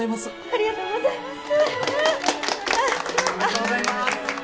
おめでとうございます！